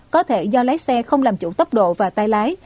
có thể do lái xe không làm chủ tốc độ và tay lái